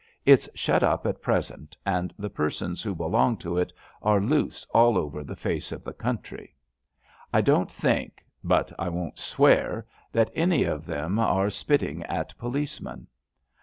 It's shut up at present, and the persons who belong to it are loose all over the face of the country. I don't think — but I won't swear — that any of them are spitting at policemen.